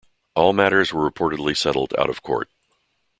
All matters were reportedly settled out of Court.